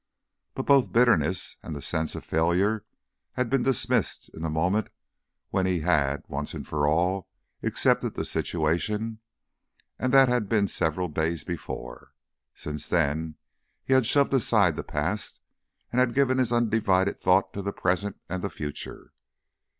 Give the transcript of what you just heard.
But both bitterness and the sense of failure had been dismissed in the moment when he had, once for all, accepted the situation; and that had been several days before. Since then, he had shoved aside the past, and had given his undivided thought to the present and the future.